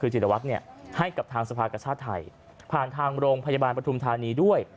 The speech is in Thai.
คือจิตวัตรให้กับทางสภากชาติไทยผ่านทางโรงพยาบาลปฐุมธานีด้วย